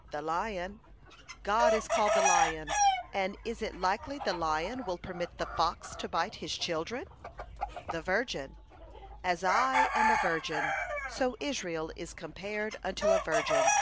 '" The Lion: "God is called the lion, and is it likely the lion will permit the fox to bite his children?" The Virgin: "As I am a virgin, so Israel is compared unto a virgin."